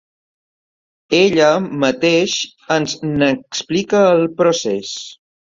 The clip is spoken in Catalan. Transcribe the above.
Ella mateix ens n’explica el procés.